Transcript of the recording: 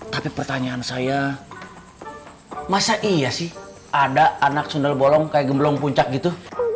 tapi pertanyaan saya masa iya sih ada anak sunda bolong kayak gemblong puncak gitu